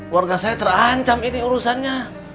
warga saya terancam ini urusannya